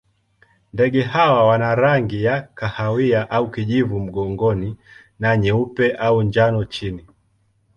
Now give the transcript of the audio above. Ndege hawa wana rangi ya kahawa au kijivu mgongoni na nyeupe au njano chini.